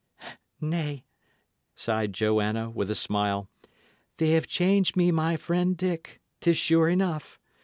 "Nay," sighed Joanna, with a smile, "they have changed me my friend Dick, 'tis sure enough.